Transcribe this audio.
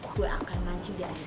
gue akan mancing di akhiran kerut